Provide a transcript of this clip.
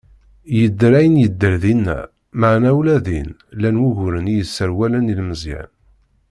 Yedder ayen yedder dinna, meɛna ula din, llan wuguren i yesserwalen ilmezyen.